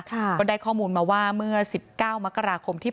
ก็ได้ข้อมูลมาว่าเมื่อ๑๙นที่ผ่านมา